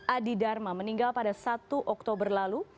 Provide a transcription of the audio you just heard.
adi dharma meninggal pada satu oktober lalu